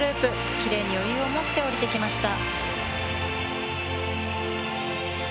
きれいに余裕を持って下りてきました。